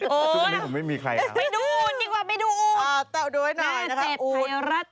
โอ๊ยโอ๊ยไปดูอู๋นดีกว่าไปดูอู๋น